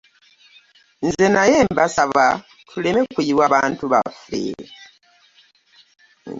Nze naye mbasaba tuleme kuyiwa bantu baffe